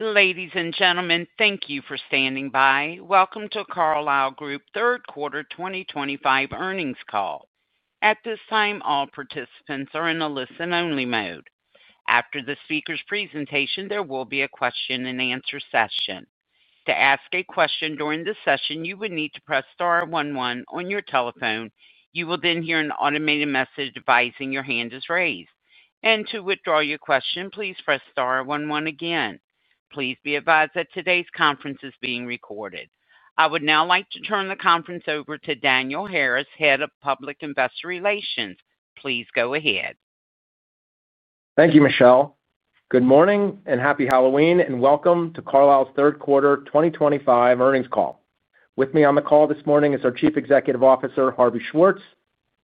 Ladies and gentlemen, thank you for standing by. Welcome to Carlyle Group third quarter 2025 earnings call. At this time, all participants are in a listen-only mode. After the speaker's presentation, there will be a question-and-answer session. To ask a question during the session, you would need to press star one one on your telephone. You will then hear an automated message advising your hand is raised. To withdraw your question, please press star one one again. Please be advised that today's conference is being recorded. I would now like to turn the conference over to Daniel Harris, Head of Public Investor Relations. Please go ahead. Thank you, Michelle. Good morning and happy Halloween, and welcome to Carlyle's third quarter 2025 earnings call. With me on the call this morning is our Chief Executive Officer, Harvey Schwartz,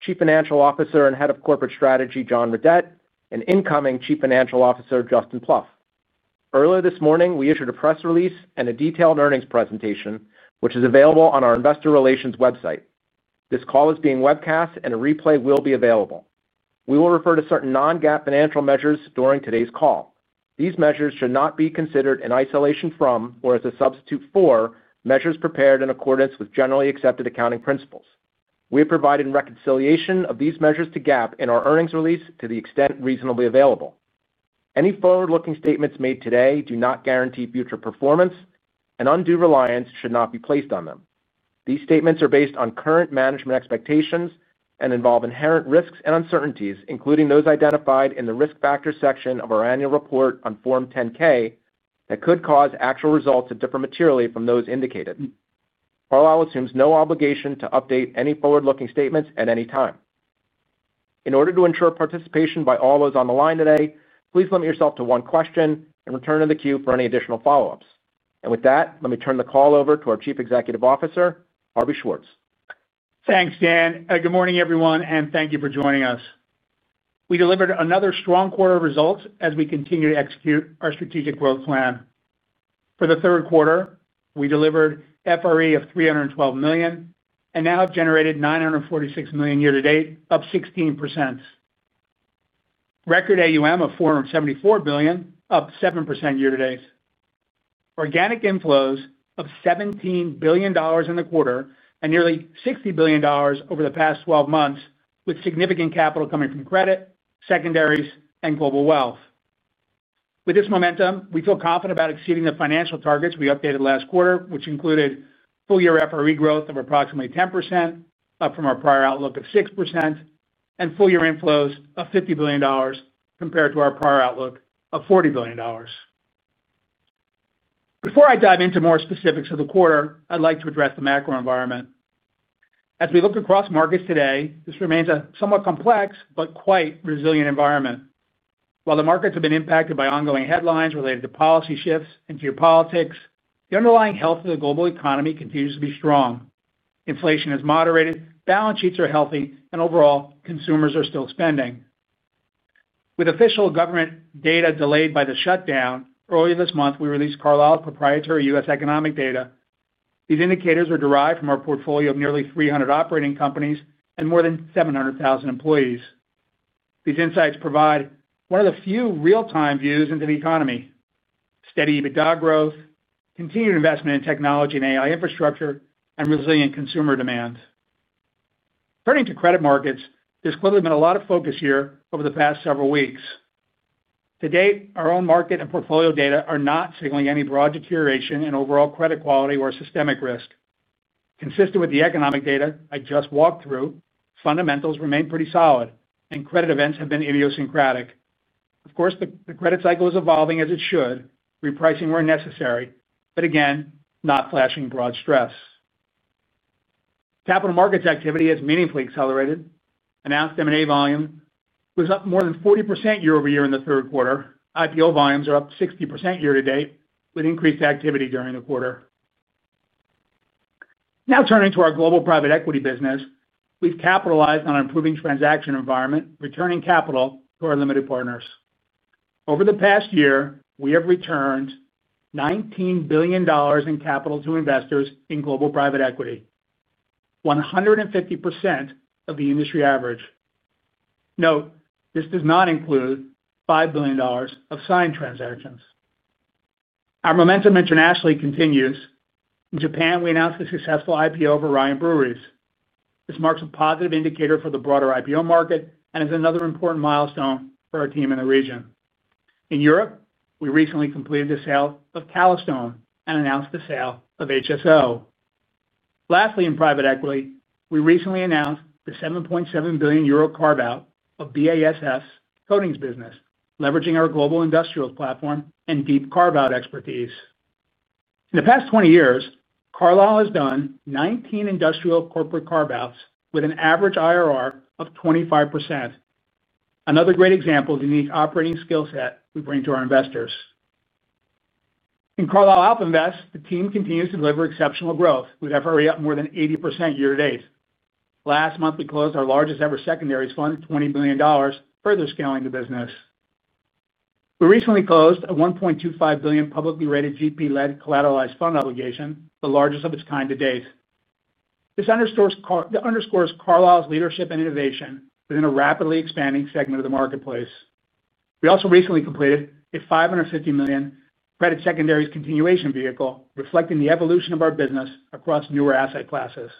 Chief Financial Officer and Head of Corporate Strategy, John Redett, and incoming Chief Financial Officer, Justin Pluff. Earlier this morning, we issued a press release and a detailed earnings presentation, which is available on our Investor Relations website. This call is being webcast, and a replay will be available. We will refer to certain non-GAAP financial measures during today's call. These measures should not be considered in isolation from or as a substitute for measures prepared in accordance with generally accepted accounting principles. We have provided reconciliation of these measures to GAAP in our earnings release to the extent reasonably available. Any forward-looking statements made today do not guarantee future performance, and undue reliance should not be placed on them. These statements are based on current management expectations and involve inherent risks and uncertainties, including those identified in the risk factor section of our annual report on Form 10-K that could cause actual results to differ materially from those indicated. Carlyle assumes no obligation to update any forward-looking statements at any time. In order to ensure participation by all those on the line today, please limit yourself to one question and return to the queue for any additional follow-ups. With that, let me turn the call over to our Chief Executive Officer, Harvey Schwartz. Thanks, Dan. Good morning, everyone, and thank you for joining us. We delivered another strong quarter of results as we continue to execute our strategic growth plan. For the third quarter, we delivered FRE of $312 million and now have generated $946 million year-to-date, up 16%. Record AUM of $474 billion, up 7% year-to-date. Organic inflows of $17 billion in the quarter and nearly $60 billion over the past 12 months, with significant capital coming from credit, secondaries, and global wealth. With this momentum, we feel confident about exceeding the financial targets we updated last quarter, which included full-year FRE growth of approximately 10%, up from our prior outlook of 6%, and full-year inflows of $50 billion compared to our prior outlook of $40 billion. Before I dive into more specifics of the quarter, I'd like to address the macro environment. As we look across markets today, this remains a somewhat complex but quite resilient environment. While the markets have been impacted by ongoing headlines related to policy shifts and geopolitics, the underlying health of the global economy continues to be strong. Inflation is moderated, balance sheets are healthy, and overall, consumers are still spending. With official government data delayed by the shutdown, earlier this month, we released Carlyle's proprietary U.S. economic data. These indicators are derived from our portfolio of nearly 300 operating companies and more than 700,000 employees. These insights provide one of the few real-time views into the economy: steady EBITDA growth, continued investment in technology and AI infrastructure, and resilient consumer demand. Turning to credit markets, there's clearly been a lot of focus here over the past several weeks. To date, our own market and portfolio data are not signaling any broad deterioration in overall credit quality or systemic risk. Consistent with the economic data I just walked through, fundamentals remain pretty solid, and credit events have been idiosyncratic. Of course, the credit cycle is evolving as it should, repricing where necessary, but again, not flashing broad stress. Capital markets activity has meaningfully accelerated. Announced M&A volume was up more than 40% year-over-year in the third quarter. IPO volumes are up 60% year-to-date, with increased activity during the quarter. Now turning to our global private equity business, we've capitalized on our improving transaction environment, returning capital to our limited partners. Over the past year, we have returned $19 billion in capital to investors in global private equity, 150% of the industry average. Note, this does not include $5 billion of signed transactions. Our momentum internationally continues. In Japan, we announced a successful IPO of Orion Breweries. This marks a positive indicator for the broader IPO market and is another important milestone for our team in the region. In Europe, we recently completed the sale of Calystone and announced the sale of HSO. Lastly, in private equity, we recently announced the 7.7 billion euro carve-out of BASF's coatings business, leveraging our global industrials platform and deep carve-out expertise. In the past 20 years, Carlyle has done 19 industrial corporate carve-outs with an average IRR of 25%. Another great example of the unique operating skill set we bring to our investors. In Carlyle AlpInvest, the team continues to deliver exceptional growth, with FRE up more than 80% year-to-date. Last month, we closed our largest-ever secondaries fund, $20 billion, further scaling the business. We recently closed a $1.25 billion publicly rated GP-led collateralized fund obligation, the largest of its kind to date. This underscores Carlyle's leadership and innovation within a rapidly expanding segment of the marketplace. We also recently completed a $550 million credit secondaries continuation vehicle, reflecting the evolution of our business across newer asset classes.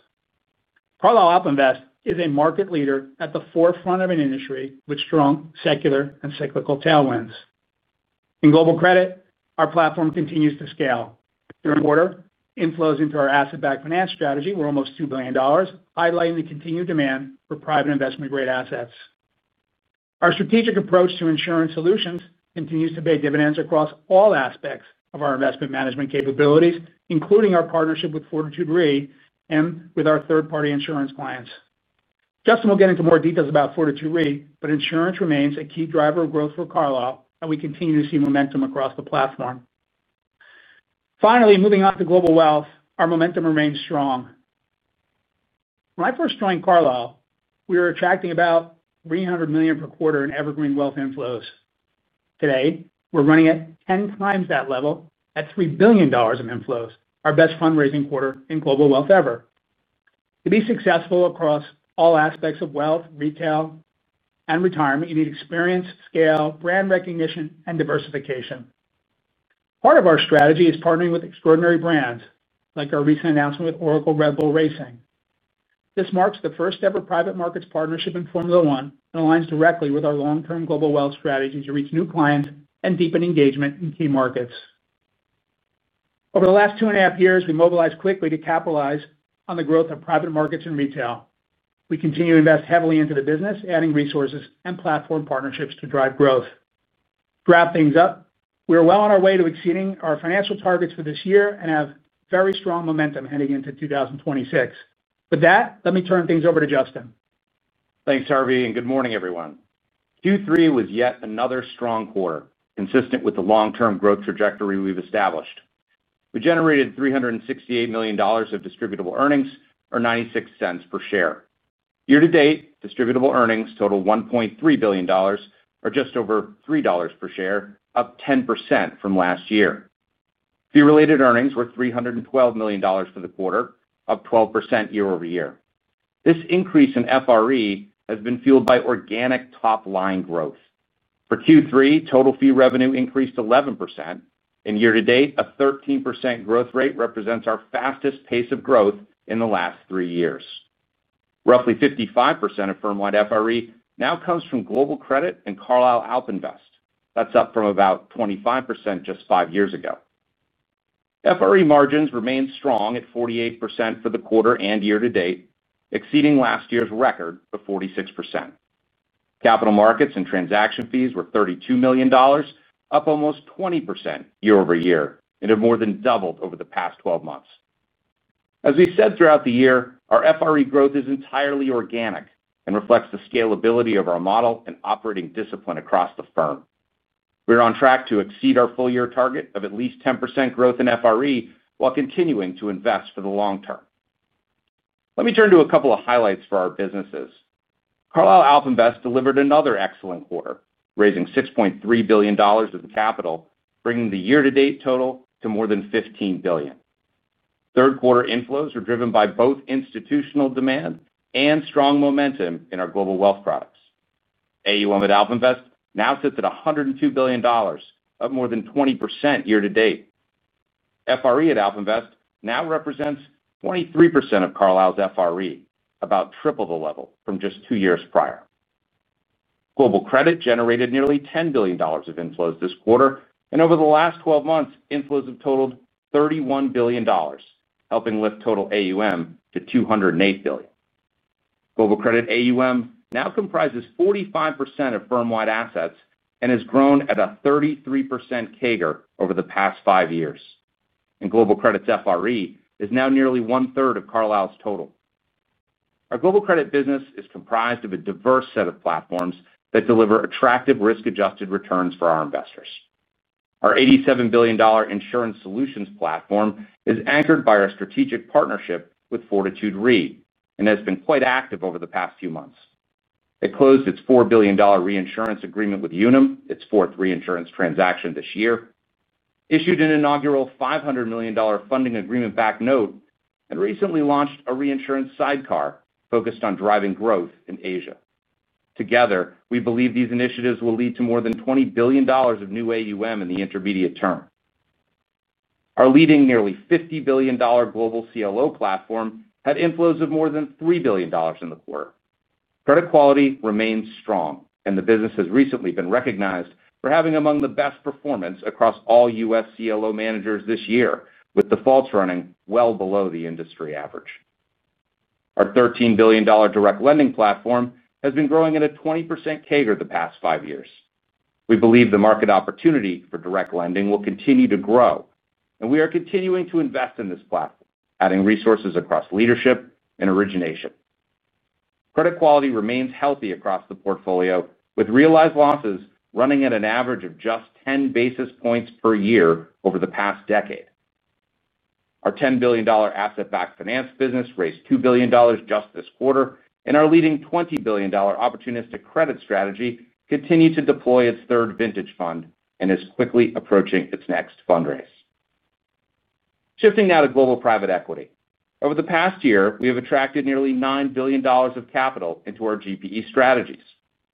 Carlyle AlpInvest is a market leader at the forefront of an industry with strong secular and cyclical tailwinds. In global credit, our platform continues to scale. During the quarter, inflows into our asset-backed finance strategy were almost $2 billion, highlighting the continued demand for private investment-grade assets. Our strategic approach to insurance solutions continues to pay dividends across all aspects of our investment management capabilities, including our partnership with Fortitude Re and with our third-party insurance clients. Justin will get into more details about Fortitude Re, but insurance remains a key driver of growth for Carlyle, and we continue to see momentum across the platform. Finally, moving on to global wealth, our momentum remains strong. When I first joined Carlyle, we were attracting about $300 million per quarter in evergreen wealth inflows. Today, we're running at 10x that level, at $3 billion in inflows, our best fundraising quarter in global wealth ever. To be successful across all aspects of wealth, retail, and retirement, you need experience, scale, brand recognition, and diversification. Part of our strategy is partnering with extraordinary brands, like our recent announcement with Oracle Red Bull Racing. This marks the first-ever private markets partnership in Formula One and aligns directly with our long-term global wealth strategy to reach new clients and deepen engagement in key markets. Over the last two and a half years, we mobilized quickly to capitalize on the growth of private markets and retail. We continue to invest heavily into the business, adding resources and platform partnerships to drive growth. To wrap things up, we are well on our way to exceeding our financial targets for this year and have very strong momentum heading into 2026. With that, let me turn things over to Justin. Thanks, Harvey, and good morning, everyone. Q3 was yet another strong quarter, consistent with the long-term growth trajectory we've established. We generated $368 million of distributable earnings, or $0.96 per share. Year-to-date, distributable earnings totaled $1.3 billion, or just over $3 per share, up 10% from last year. Fee-related earnings were $312 million for the quarter, up 12% year-over-year. This increase in FRE has been fueled by organic top-line growth. For Q3, total fee revenue increased 11%, and year-to-date, a 13% growth rate represents our fastest pace of growth in the last three years. Roughly 55% of firm-wide FRE now comes from global credit and Carlyle AlpInvest. That's up from about 25% just five years ago. FRE margins remain strong at 48% for the quarter and year-to-date, exceeding last year's record of 46%. Capital markets and transaction fees were $32 million, up almost 20% year-over-year, and have more than doubled over the past 12 months. As we said throughout the year, our FRE growth is entirely organic and reflects the scalability of our model and operating discipline across the firm. We are on track to exceed our full-year target of at least 10% growth in FRE while continuing to invest for the long term. Let me turn to a couple of highlights for our businesses. Carlyle AlpInvest delivered another excellent quarter, raising $6.3 billion of the capital, bringing the year-to-date total to more than $15 billion. Third-quarter inflows were driven by both institutional demand and strong momentum in our global wealth products. AUM at AlpInvest now sits at $102 billion, up more than 20% year-to-date. FRE at AlpInvest now represents 23% of Carlyle's FRE, about triple the level from just two years prior. Global credit generated nearly $10 billion of inflows this quarter, and over the last 12 months, inflows have totaled $31 billion, helping lift total AUM to $208 billion. Global credit AUM now comprises 45% of firm-wide assets and has grown at a 33% CAGR over the past five years. Global credit's FRE is now nearly one-third of Carlyle's total. Our global credit business is comprised of a diverse set of platforms that deliver attractive risk-adjusted returns for our investors. Our $87 billion insurance solutions platform is anchored by our strategic partnership with Fortitude Re and has been quite active over the past few months. It closed its $4 billion reinsurance agreement with Unum, its fourth reinsurance transaction this year, issued an inaugural $500 million funding agreement-backed note, and recently launched a reinsurance sidecar focused on driving growth in Asia. Together, we believe these initiatives will lead to more than $20 billion of new AUM in the intermediate term. Our leading nearly $50 billion global CLO platform had inflows of more than $3 billion in the quarter. Credit quality remains strong, and the business has recently been recognized for having among the best performance across all U.S. CLO managers this year, with defaults running well below the industry average. Our $13 billion direct lending platform has been growing at a 20% CAGR the past five years. We believe the market opportunity for direct lending will continue to grow, and we are continuing to invest in this platform, adding resources across leadership and origination. Credit quality remains healthy across the portfolio, with realized losses running at an average of just 10 basis points per year over the past decade. Our $10 billion asset-backed finance business raised $2 billion just this quarter, and our leading $20 billion opportunistic credit strategy continued to deploy its third vintage fund and is quickly approaching its next fundraise. Shifting now to global private equity. Over the past year, we have attracted nearly $9 billion of capital into our GPE strategies,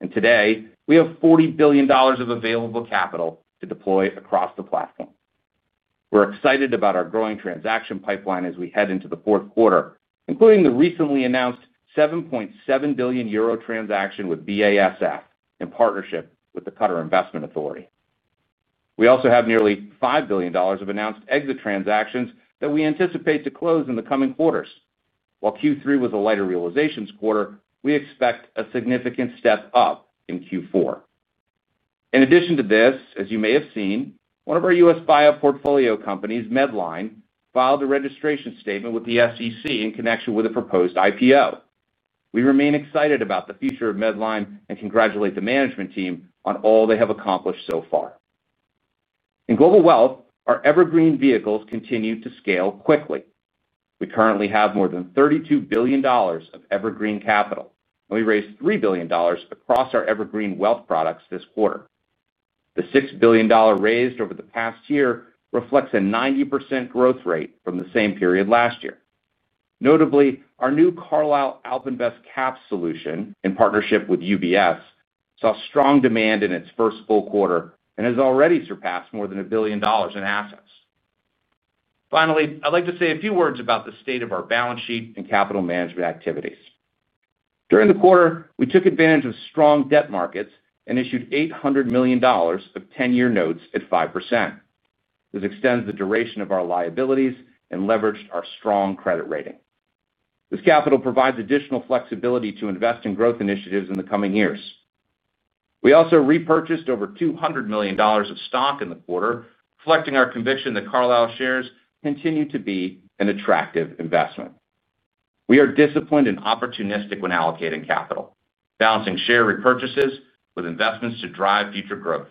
and today, we have $40 billion of available capital to deploy across the platform. We're excited about our growing transaction pipeline as we head into the fourth quarter, including the recently announced E7.7 billion transaction with BASF in partnership with the Qatar Investment Authority. We also have nearly $5 billion of announced exit transactions that we anticipate to close in the coming quarters. While Q3 was a lighter realizations quarter, we expect a significant step up in Q4. In addition to this, as you may have seen, one of our U.S. bio portfolio companies, Medline, filed a registration statement with the SEC in connection with a proposed IPO. We remain excited about the future of Medline and congratulate the management team on all they have accomplished so far. In global wealth, our evergreen vehicles continue to scale quickly. We currently have more than $32 billion of evergreen capital, and we raised $3 billion across our evergreen wealth products this quarter. The $6 billion raised over the past year reflects a 90% growth rate from the same period last year. Notably, our new Carlyle AlpInvest Cap Solution in partnership with UBS saw strong demand in its first full quarter and has already surpassed more than $1 billion in assets. Finally, I'd like to say a few words about the state of our balance sheet and capital management activities. During the quarter, we took advantage of strong debt markets and issued $800 million of 10-year notes at 5%. This extends the duration of our liabilities and leveraged our strong credit rating. This capital provides additional flexibility to invest in growth initiatives in the coming years. We also repurchased over $200 million of stock in the quarter, reflecting our conviction that Carlyle shares continue to be an attractive investment. We are disciplined and opportunistic when allocating capital, balancing share repurchases with investments to drive future growth.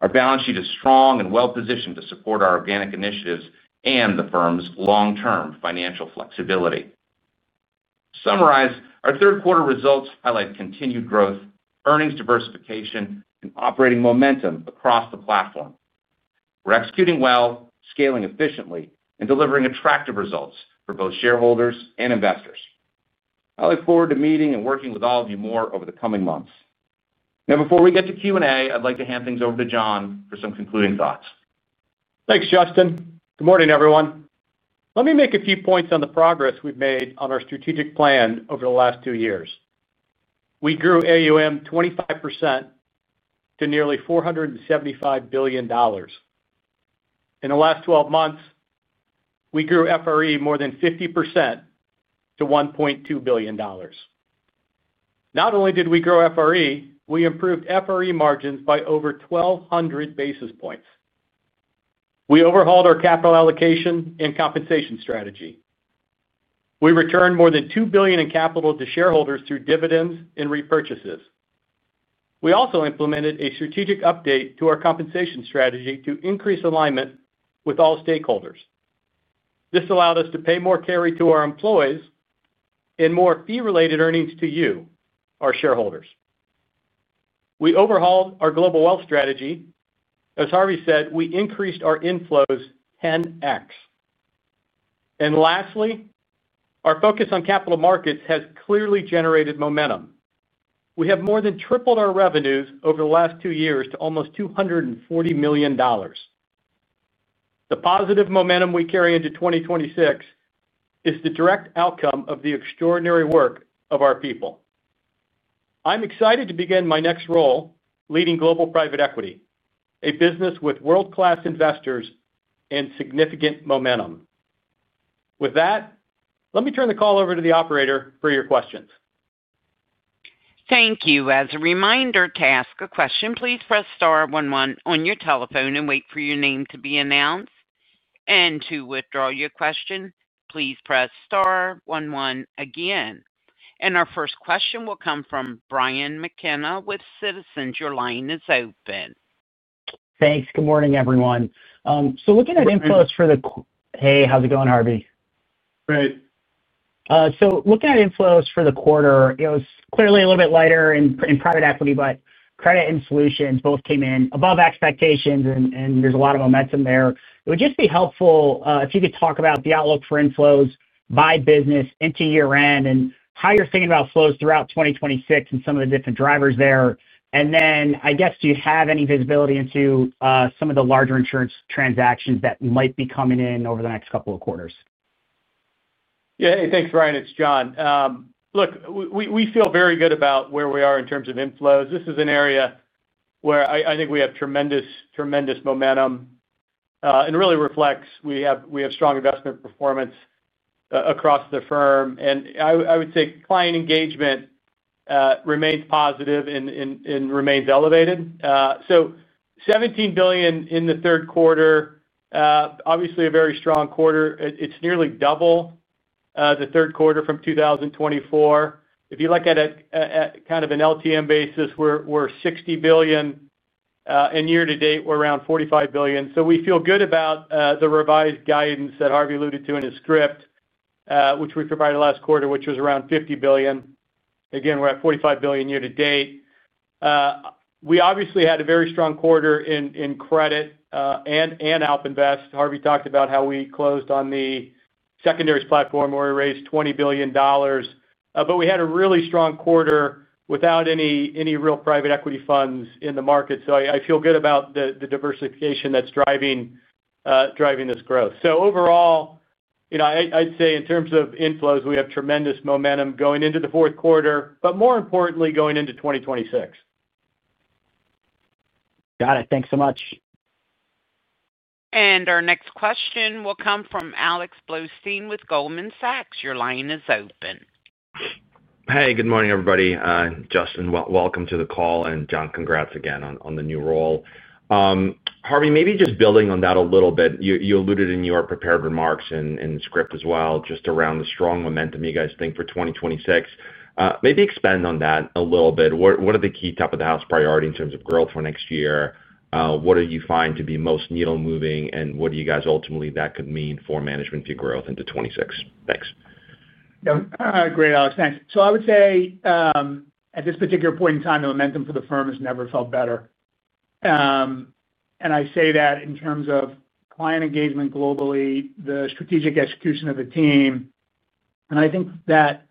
Our balance sheet is strong and well-positioned to support our organic initiatives and the firm's long-term financial flexibility. To summarize, our third-quarter results highlight continued growth, earnings diversification, and operating momentum across the platform. We're executing well, scaling efficiently, and delivering attractive results for both shareholders and investors. I look forward to meeting and working with all of you more over the coming months. Now, before we get to Q&A, I'd like to hand things over to John for some concluding thoughts. Thanks, Justin. Good morning, everyone. Let me make a few points on the progress we've made on our strategic plan over the last two years. We grew AUM 25% to nearly $475 billion. In the last 12 months, we grew FRE more than 50% to $1.2 billion. Not only did we grow FRE, we improved FRE margins by over 1,200 basis points. We overhauled our capital allocation and compensation strategy. We returned more than $2 billion in capital to shareholders through dividends and repurchases. We also implemented a strategic update to our compensation strategy to increase alignment with all stakeholders. This allowed us to pay more carry to our employees and more fee-related earnings to you, our shareholders. We overhauled our global wealth strategy. As Harvey said, we increased our inflows 10x. Lastly, our focus on capital markets has clearly generated momentum. We have more than tripled our revenues over the last two years to almost $240 million. The positive momentum we carry into 2026 is the direct outcome of the extraordinary work of our people. I'm excited to begin my next role leading global private equity, a business with world-class investors and significant momentum. With that, let me turn the call over to the operator for your questions. Thank you. As a reminder to ask a question, please press star one one on your telephone and wait for your name to be announced. To withdraw your question, please press star one one again. Our first question will come from Brian McKenna with Citizens. Your line is open. Thanks. Good morning, everyone. Looking at inflows for the—hey, how's it going, Harvey? Great. Looking at inflows for the quarter, it was clearly a little bit lighter in private equity, but credit and solutions both came in above expectations, and there's a lot of momentum there. It would just be helpful if you could talk about the outlook for inflows by business into year-end and how you're thinking about flows throughout 2026 and some of the different drivers there. I guess, do you have any visibility into some of the larger insurance transactions that might be coming in over the next couple of quarters? Yeah. Hey, thanks, Brian. It's John. Look, we feel very good about where we are in terms of inflows. This is an area where I think we have tremendous, tremendous momentum. It really reflects we have strong investment performance across the firm. I would say client engagement remains positive and remains elevated. $17 billion in the third quarter, obviously a very strong quarter. It's nearly double the third quarter from 2024. If you look at it kind of on an LTM basis, we're $60 billion, and year-to-date, we're around $45 billion. We feel good about the revised guidance that Harvey alluded to in his script, which we provided last quarter, which was around $50 billion. We're at $45 billion year-to-date. We obviously had a very strong quarter in credit and AlpInvest. Harvey talked about how we closed on the secondaries platform where we raised $20 billion. We had a really strong quarter without any real private equity funds in the market. I feel good about the diversification that's driving this growth. Overall, I'd say in terms of inflows, we have tremendous momentum going into the fourth quarter, but more importantly, going into 2026. Got it. Thanks so much. Our next question will come from Alex Blostein with Goldman Sachs. Your line is open. Hey, good morning, everybody. Justin, welcome to the call. John, congrats again on the new role. Harvey, maybe just building on that a little bit, you alluded in your prepared remarks and script as well just around the strong momentum you guys think for 2026. Maybe expand on that a little bit. What are the key top-of-the-house priorities in terms of growth for next year? What do you find to be most needle-moving, and what do you guys ultimately think that could mean for management for your growth into 2026? Thanks. Yeah. Great, Alex. Thanks. I would say at this particular point in time, the momentum for the firm has never felt better. I say that in terms of client engagement globally, the strategic execution of the team. I think that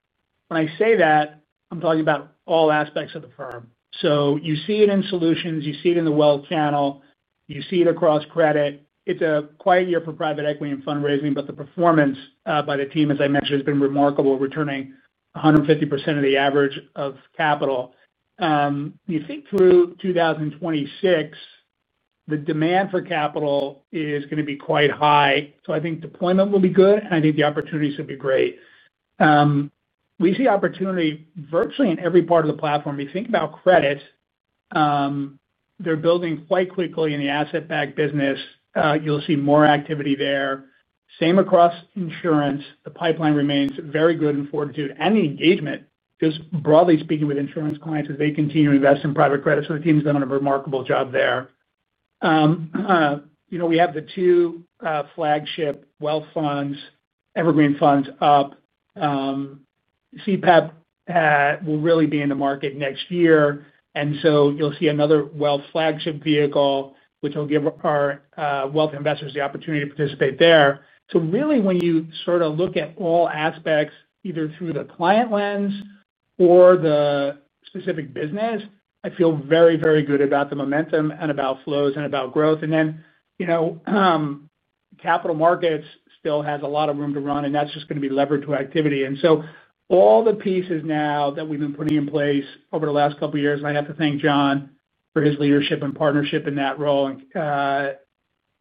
when I say that, I'm talking about all aspects of the firm. You see it in solutions. You see it in the wealth channel. You see it across credit. It's a quiet year for private equity and fundraising, but the performance by the team, as I mentioned, has been remarkable, returning 150% of the average of capital. You think through 2026. The demand for capital is going to be quite high. I think deployment will be good, and I think the opportunities will be great. We see opportunity virtually in every part of the platform. You think about credit. They're building quite quickly in the asset-backed business. You'll see more activity there. Same across insurance. The pipeline remains very good in Fortitude. The engagement, just broadly speaking, with insurance clients as they continue to invest in private credit. The team's done a remarkable job there. We have the two flagship wealth funds, evergreen funds, up. CPAP will really be in the market next year. You'll see another wealth flagship vehicle, which will give our wealth investors the opportunity to participate there. When you sort of look at all aspects, either through the client lens or the specific business, I feel very, very good about the momentum and about flows and about growth. Capital markets still have a lot of room to run, and that's just going to be levered to activity. All the pieces now that we've been putting in place over the last couple of years, and I have to thank John for his leadership and partnership in that role.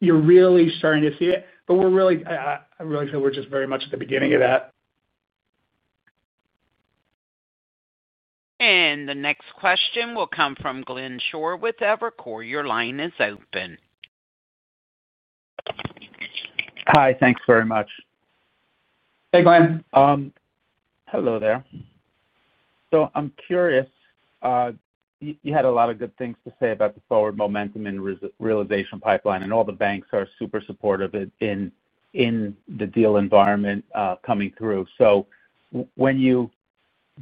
You're really starting to see it, but I really feel we're just very much at the beginning of that. The next question will come from Glenn Schorr with Evercore. Your line is open. Hi, thanks very much. Hey, Glenn. Hello there. I'm curious. You had a lot of good things to say about the forward momentum and realization pipeline, and all the banks are super supportive in the deal environment coming through. When you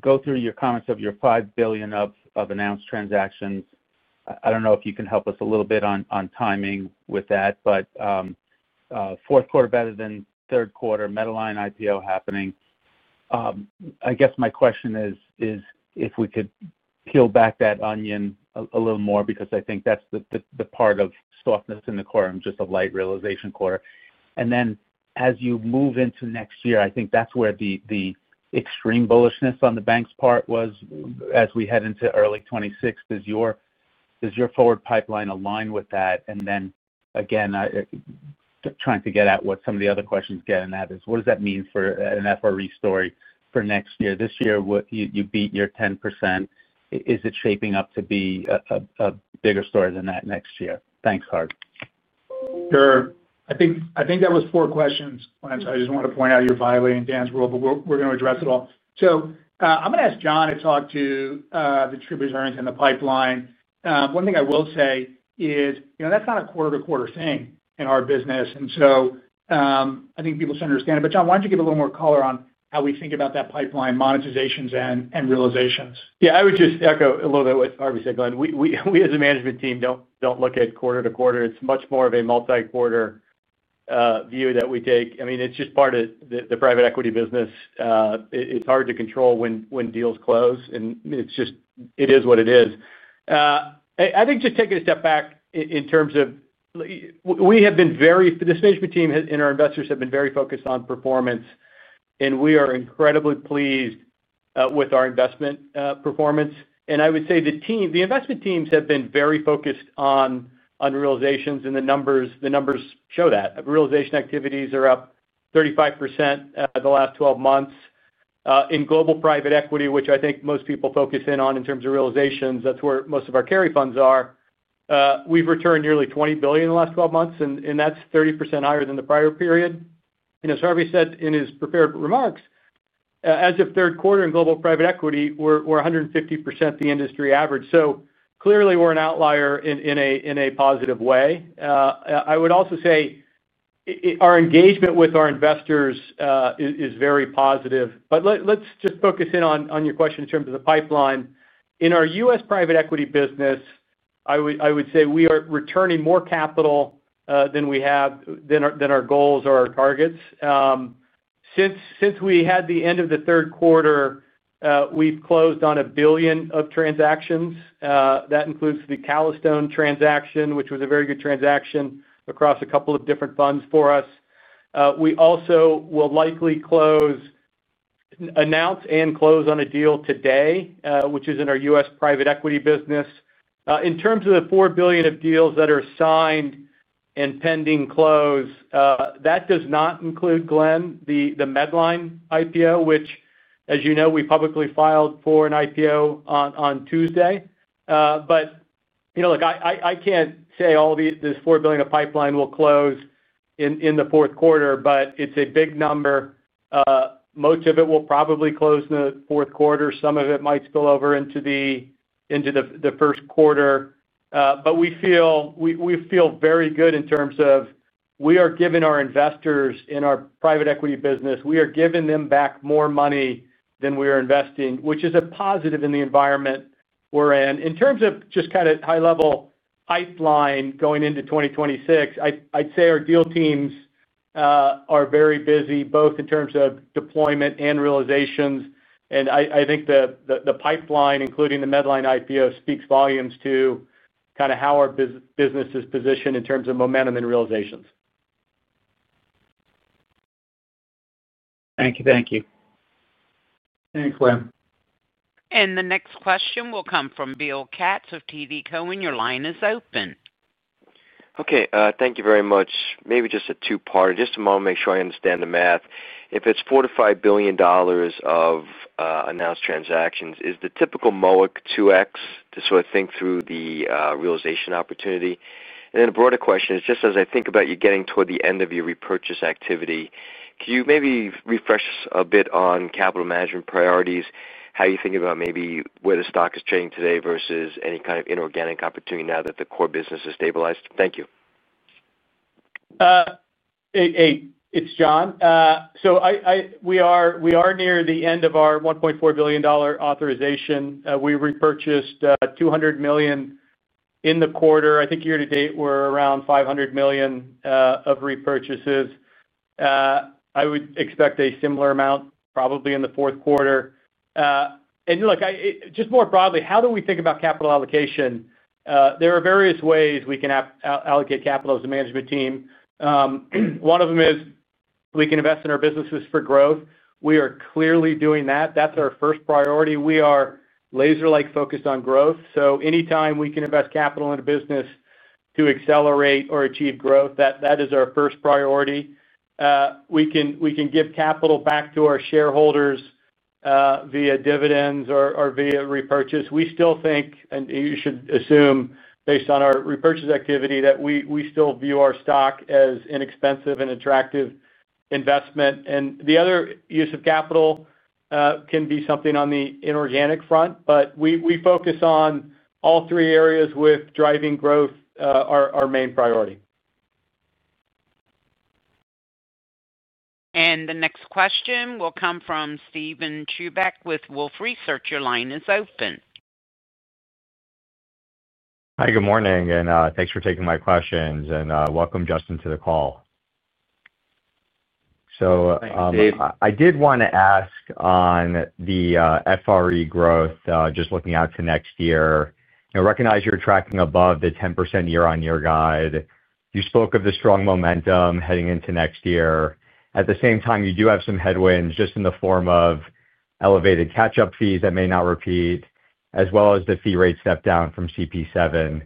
go through your comments of your $5 billion of announced transactions, I don't know if you can help us a little bit on timing with that. Fourth quarter better than third quarter, Medline IPO happening. I guess my question is if we could peel back that onion a little more because I think that's the part of softness in the quarter and just a light realization quarter. As you move into next year, I think that's where the extreme bullishness on the banks' part was as we head into early 2026. Does your forward pipeline align with that? Again, trying to get at what some of the other questions get in that is, what does that mean for an FRE story for next year? This year, you beat your 10%. Is it shaping up to be a bigger story than that next year? Thanks, Harv. Sure. I think that was four questions. I just want to point out you're violating Dan's rule, but we're going to address it all. I'm going to ask John to talk to the tributaries and the pipeline. One thing I will say is that's not a quarter-to-quarter thing in our business. I think people should understand it. John, why don't you give a little more color on how we think about that pipeline, monetizations, and realizations? Yeah. I would just echo a little bit what Harvey said, Glenn. We as a management team don't look at quarter-to-quarter. It's much more of a multi-quarter view that we take. It's just part of the private equity business. It's hard to control when deals close, and it is what it is. I think just taking a step back in terms of, we have been very—this management team and our investors have been very focused on performance, and we are incredibly pleased with our investment performance. I would say the investment teams have been very focused on realizations, and the numbers show that. Realization activities are up 35% the last 12 months. In global private equity, which I think most people focus in on in terms of realizations, that's where most of our carry funds are. We've returned nearly $20 billion in the last 12 months, and that's 30% higher than the prior period. As Harvey said in his prepared remarks, as of third quarter in global private equity, we're 150% the industry average. Clearly, we're an outlier in a positive way. I would also say our engagement with our investors is very positive. Let's just focus in on your question in terms of the pipeline. In our U.S. private equity business, I would say we are returning more capital than our goals or our targets. Since we had the end of the third quarter, we've closed on $1 billion of transactions. That includes the Calystone transaction, which was a very good transaction across a couple of different funds for us. We also will likely announce and close on a deal today, which is in our U.S. private equity business. In terms of the $4 billion of deals that are signed and pending close, that does not include, Glenn, the Medline IPO, which, as you know, we publicly filed for an IPO on Tuesday. I can't say all this $4 billion of pipeline will close in the fourth quarter, but it's a big number. Most of it will probably close in the fourth quarter. Some of it might spill over into the first quarter. We feel very good in terms of we are giving our investors in our private equity business back more money than we are investing, which is a positive in the environment we're in. In terms of just kind of high-level pipeline going into 2026, I'd say our deal teams are very busy both in terms of deployment and realizations. I think the pipeline, including the Medline IPO, speaks volumes to how our business is positioned in terms of momentum and realizations. Thank you. Thank you. Thanks, Glenn. The next question will come from Bill Katz of TD Cowen. Your line is open. Okay. Thank you very much. Maybe just a two-part. Just to make sure I understand the math. If it's $4 billion-$5 billion of announced transactions, is the typical MOIC 2x to sort of think through the realization opportunity? A broader question is just as I think about you getting toward the end of your repurchase activity, could you maybe refresh us a bit on capital management priorities, how you think about maybe where the stock is trading today versus any kind of inorganic opportunity now that the core business has stabilized? Thank you. Hey. It's John. We are near the end of our $1.4 billion authorization. We repurchased $200 million in the quarter. I think year-to-date, we're around $500 million of repurchases. I would expect a similar amount probably in the fourth quarter. More broadly, how do we think about capital allocation? There are various ways we can allocate capital as a management team. One of them is we can invest in our businesses for growth. We are clearly doing that. That's our first priority. We are laser-like focused on growth. Anytime we can invest capital in a business to accelerate or achieve growth, that is our first priority. We can give capital back to our shareholders via dividends or via repurchase. We still think, and you should assume based on our repurchase activity, that we still view our stock as inexpensive and attractive investment. The other use of capital can be something on the inorganic front, but we focus on all three areas with driving growth. Our main priority. The next question will come from Steven Chubak with Wolfe Research. Your line is open. Hi. Good morning. Thank you for taking my questions. Welcome, Justin, to the call. Hey, Steve. I did want to ask on the FRE growth, just looking out to next year. I recognize you're tracking above the 10% year-on-year guide. You spoke of the strong momentum heading into next year. At the same time, you do have some headwinds just in the form of elevated catch-up fees that may not repeat, as well as the fee rate step-down from CPE7.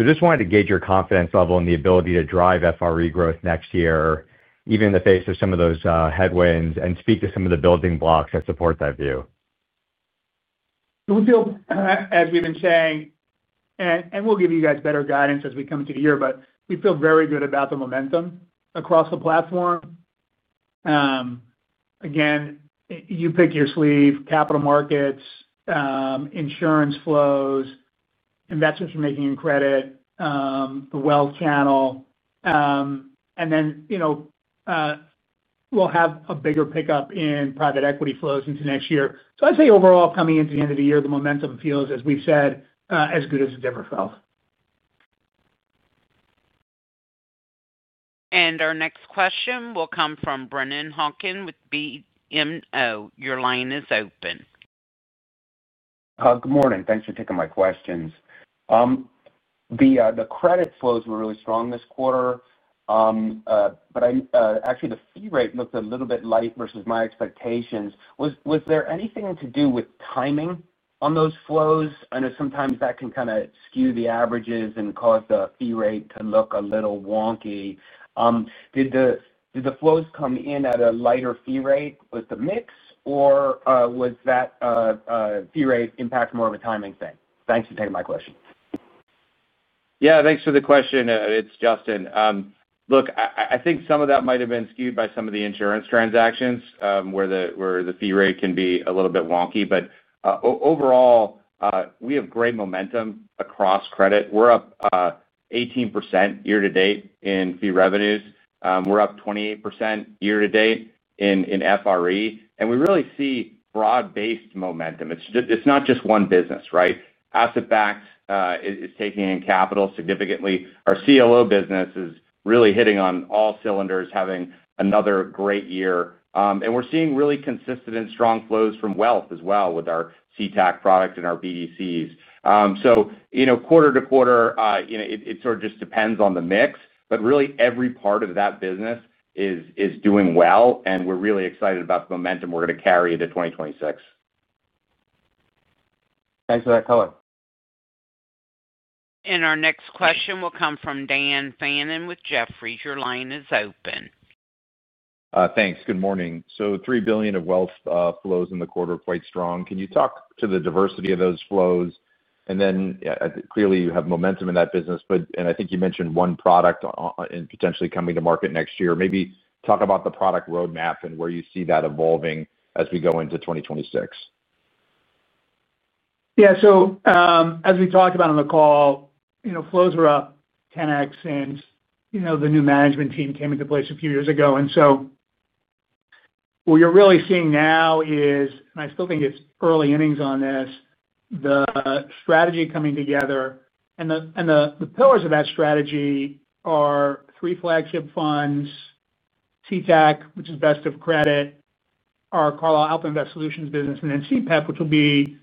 I just wanted to gauge your confidence level and the ability to drive FRE growth next year, even in the face of some of those headwinds, and speak to some of the building blocks that support that view. We feel, as we've been saying, and we'll give you guys better guidance as we come to the year, but we feel very good about the momentum across the platform. Again, you pick your sleeve: capital markets, insurance flows, investors are making credit, the wealth channel. We'll have a bigger pickup in private equity flows into next year. I'd say overall, coming into the end of the year, the momentum feels, as we've said, as good as it's ever felt. Our next question will come from Brennan Hawken with BMO. Your line is open. Good morning. Thanks for taking my questions. The credit flows were really strong this quarter, but actually, the fee rate looked a little bit light versus my expectations. Was there anything to do with timing on those flows? I know sometimes that can kind of skew the averages and cause the fee rate to look a little wonky. Did the flows come in at a lighter fee rate with the mix, or was that fee rate impact more of a timing thing? Thanks for taking my question. Yeah. Thanks for the question. It's Justin. I think some of that might have been skewed by some of the insurance transactions where the fee rate can be a little bit wonky. Overall, we have great momentum across credit. We're up 18% year-to-date in fee revenues. We're up 28% year-to-date in FRE. We really see broad-based momentum. It's not just one business, right? Asset-backed is taking in capital significantly. Our CLO business is really hitting on all cylinders, having another great year. We're seeing really consistent and strong flows from wealth as well with our CTAC product and our BDCs. Quarter-to-quarter, it sort of just depends on the mix. Really, every part of that business is doing well, and we're really excited about the momentum we're going to carry into 2026. Thanks for that color. Our next question will come from Dan Fannon with Jefferies. Your line is open. Thank you. Good morning. $3 billion of wealth flows in the quarter are quite strong. Can you talk to the diversity of those flows? Clearly, you have momentum in that business, and I think you mentioned one product potentially coming to market next year. Maybe talk about the product roadmap and where you see that evolving as we go into 2026. Yeah. As we talked about on the call, flows were up 10x since the new management team came into place a few years ago. What you're really seeing now is, and I still think it's early innings on this, the strategy coming together. The pillars of that strategy are three flagship funds: CTAC, which is Best of Credit, our Carlyle AlpInvest Solutions business, and then CPEP, which will be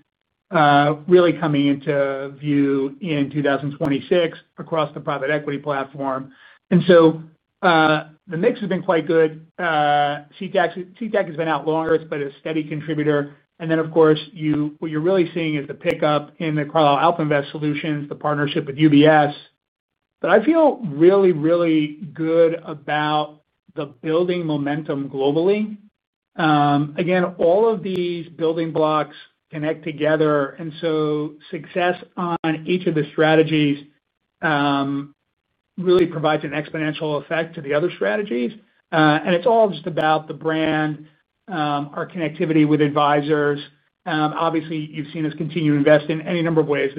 really coming into view in 2026 across the private equity platform. The mix has been quite good. CTAC has been out longer. It's been a steady contributor. Of course, what you're really seeing is the pickup in the AlpInvest Solutions, the partnership with UBS. I feel really, really good about the building momentum globally. All of these building blocks connect together, and success on each of the strategies really provides an exponential effect to the other strategies. It's all just about the brand, our connectivity with advisors. Obviously, you've seen us continue to invest in any number of ways: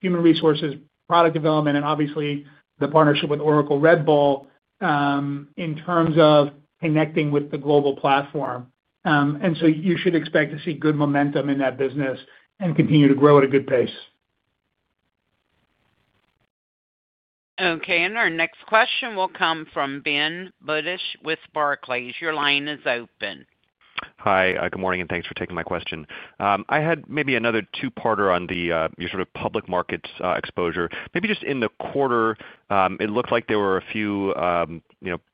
human resources, product development, and obviously the partnership with Oracle Red Bull in terms of connecting with the global platform. You should expect to see good momentum in that business and continue to grow at a good pace. Okay. Our next question will come from Ben Budish with Barclays. Your line is open. Hi. Good morning. Thanks for taking my question. I had maybe another two-parter on your sort of public markets exposure. Maybe just in the quarter, it looked like there were a few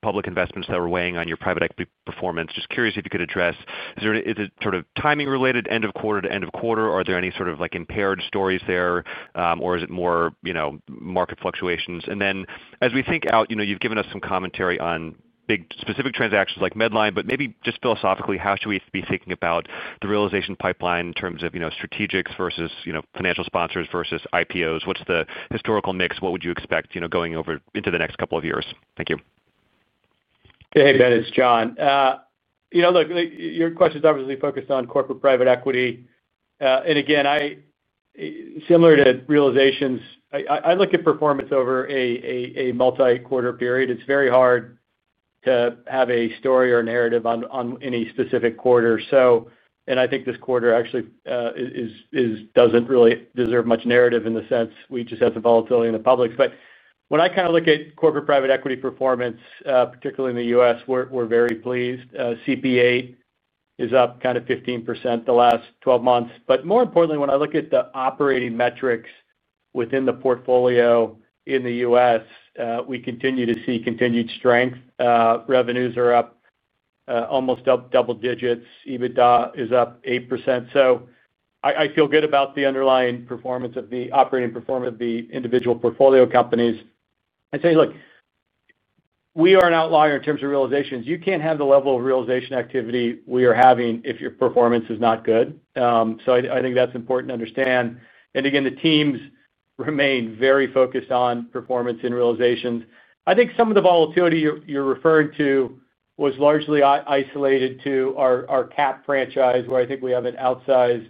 public investments that were weighing on your private equity performance. Just curious if you could address, is it sort of timing-related, end of quarter to end of quarter? Are there any sort of impaired stories there, or is it more market fluctuations? As we think out, you've given us some commentary on big specific transactions like Medline, but maybe just philosophically, how should we be thinking about the realization pipeline in terms of strategics versus financial sponsors versus IPOs? What's the historical mix? What would you expect going over into the next couple of years? Thank you. Hey, Ben. It's John. Look, your question's obviously focused on corporate private equity. Similar to realizations, I look at performance over a multi-quarter period. It's very hard to have a story or narrative on any specific quarter. I think this quarter actually doesn't really deserve much narrative in the sense we just have the volatility in the publics. When I kind of look at corporate private equity performance, particularly in the U.S., we're very pleased. CPE is up kind of 15% the last 12 months. More importantly, when I look at the operating metrics within the portfolio in the U.S., we continue to see continued strength. Revenues are up almost double digits. EBITDA is up 8%. I feel good about the underlying performance of the operating performance of the individual portfolio companies. I'd say, look, we are an outlier in terms of realizations. You can't have the level of realization activity we are having if your performance is not good. I think that's important to understand. The teams remain very focused on performance and realizations. I think some of the volatility you're referring to was largely isolated to our CAP franchise, where I think we have an outsized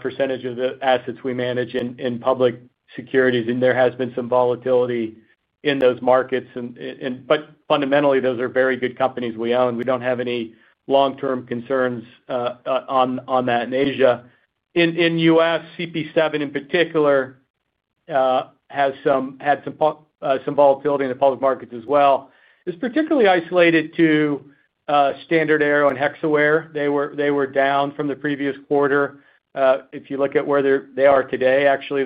percentage of the assets we manage in public securities. There has been some volatility in those markets. Fundamentally, those are very good companies we own. We don't have any long-term concerns on that. In Asia, in U.S., CPE7 in particular had some volatility in the public markets as well. It's particularly isolated to StandardAero and Hexaware. They were down from the previous quarter. If you look at where they are today, actually,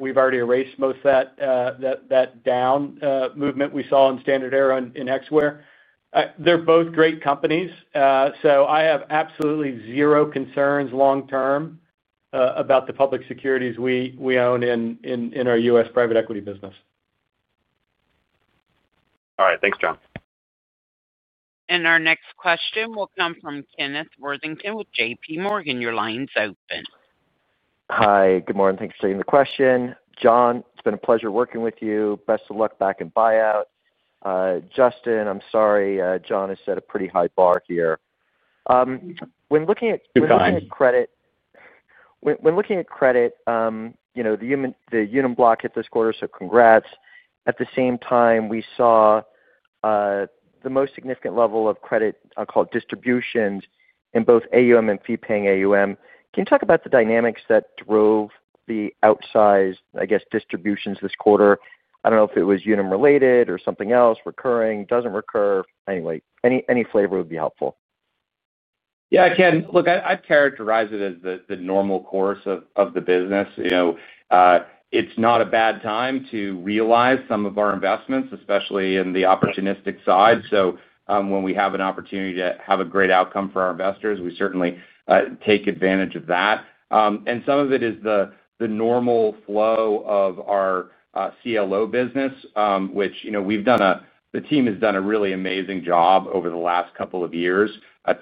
we've already erased most of that down movement we saw in StandardAero and Hexaware. They're both great companies. I have absolutely zero concerns long-term about the public securities we own in our U.S. private equity business. All right. Thanks, John. Our next question will come from Kenneth Worthington with JPMorgan. Your line is open. Hi. Good morning. Thanks for taking the question. John, it's been a pleasure working with you. Best of luck back in buyout. Justin, I'm sorry. John has set a pretty high bar here. When looking at. Got it. Credit. When looking at credit, the union block hit this quarter, so congrats. At the same time, we saw the most significant level of credit, I'll call it distributions, in both AUM and fee-paying AUM. Can you talk about the dynamics that drove the outsized, I guess, distributions this quarter? I don't know if it was union-related or something else, recurring, doesn't recur. Anyway, any flavor would be helpful. Yeah. Look, I'd characterize it as the normal course of the business. It's not a bad time to realize some of our investments, especially in the opportunistic side. When we have an opportunity to have a great outcome for our investors, we certainly take advantage of that. Some of it is the normal flow of our CLO business, which the team has done a really amazing job over the last couple of years.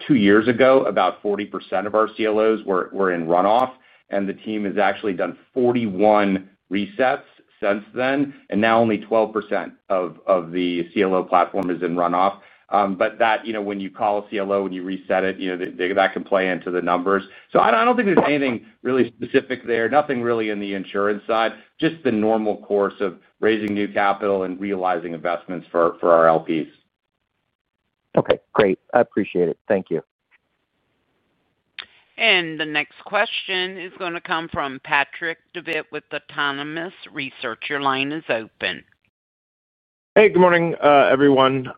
Two years ago, about 40% of our CLOs were in runoff. The team has actually done 41 resets since then, and now only 12% of the CLO platform is in runoff. When you call a CLO and you reset it, that can play into the numbers. I don't think there's anything really specific there, nothing really in the insurance side, just the normal course of raising new capital and realizing investments for our LPs. Okay. Great. I appreciate it. Thank you. The next question is going to come from Patrick Devitt with Autonomous Research. Your line is open. Hey. Good morning, everyone.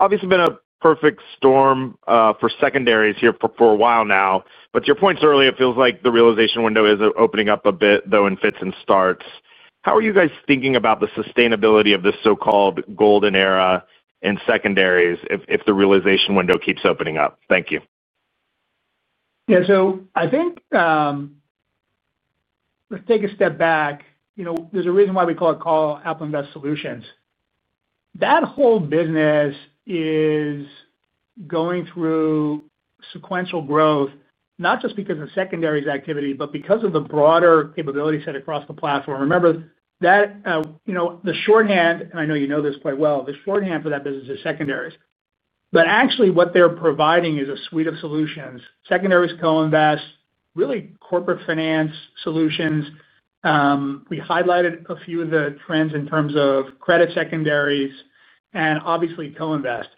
Obviously, it's been a perfect storm for secondaries here for a while now. To your points earlier, it feels like the realization window is opening up a bit, though, in fits and starts. How are you guys thinking about the sustainability of the so-called golden era in secondaries if the realization window keeps opening up? Thank you. Yeah. I think let's take a step back. There's a reason why we call it Carlyle AlpInvest Solutions. That whole business is going through sequential growth, not just because of the secondaries activity, but because of the broader capability set across the platform. Remember, the shorthand—and I know you know this quite well—the shorthand for that business is secondaries. Actually, what they're providing is a suite of solutions: secondaries, co-invest, really corporate finance solutions. We highlighted a few of the trends in terms of credit secondaries and obviously co-invest.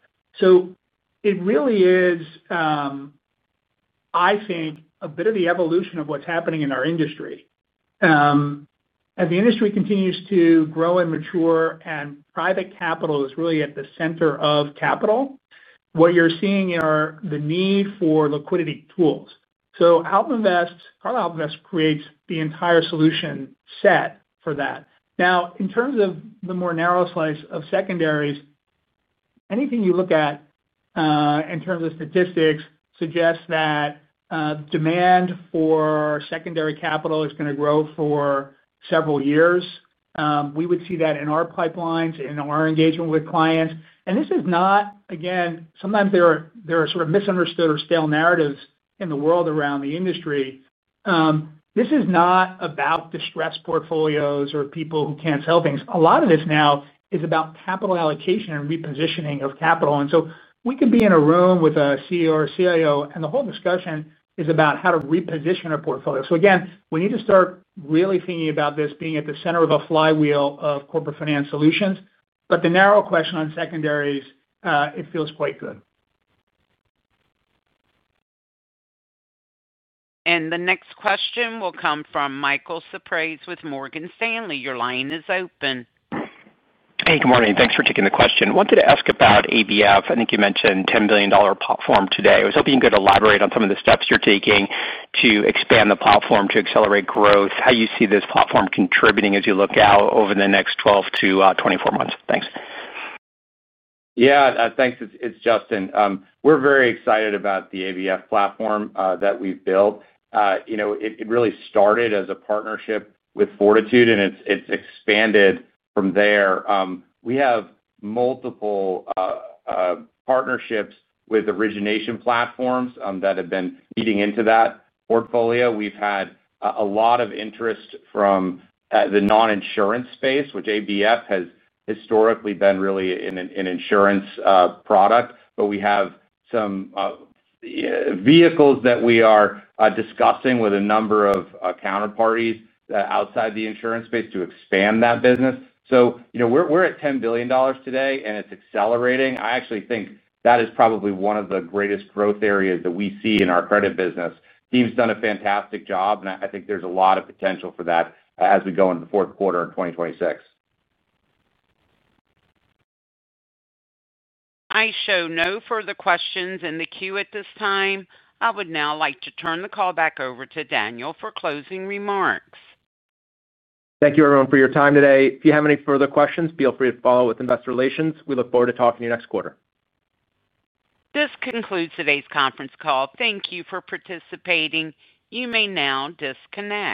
It really is, I think, a bit of the evolution of what's happening in our industry. As the industry continues to grow and mature, and private capital is really at the center of capital, what you're seeing are the need for liquidity tools. AlpInvest creates the entire solution set for that. In terms of the more narrow slice of secondaries, anything you look at in terms of statistics suggests that demand for secondary capital is going to grow for several years. We would see that in our pipelines, in our engagement with clients. This is not—sometimes there are sort of misunderstood or stale narratives in the world around the industry. This is not about distressed portfolios or people who can't sell things. A lot of this now is about capital allocation and repositioning of capital. We could be in a room with a CEO or CIO, and the whole discussion is about how to reposition a portfolio. We need to start really thinking about this being at the center of a flywheel of corporate finance solutions. The narrow question on secondaries, it feels quite good. The next question will come from Michael Cyprys with Morgan Stanley. Your line is open. Hey. Good morning. Thanks for taking the question. I wanted to ask about AlpInvest. I think you mentioned a $10 billion platform today. I was hoping you could elaborate on some of the steps you're taking to expand the platform to accelerate growth, how you see this platform contributing as you look out over the next 12 to 24 months. Thanks. Yeah. Thanks. It's Justin. We're very excited about the ABF platform that we've built. It really started as a partnership with Fortitude Re, and it's expanded from there. We have multiple partnerships with origination platforms that have been feeding into that portfolio. We've had a lot of interest from the non-insurance space, which ABF has historically been really an insurance product. We have some vehicles that we are discussing with a number of counterparties outside the insurance space to expand that business. We're at $10 billion today, and it's accelerating. I actually think that is probably one of the greatest growth areas that we see in our credit business. The team's done a fantastic job, and I think there's a lot of potential for that as we go into the fourth quarter of 2026. I show no further questions in the queue at this time. I would now like to turn the call back over to Daniel Harris for closing remarks. Thank you, everyone, for your time today. If you have any further questions, feel free to follow with Investor Relations. We look forward to talking to you next quarter. This concludes today's conference call. Thank you for participating. You may now disconnect.